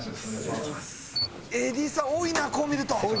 ＡＤさん多いなこう見ると。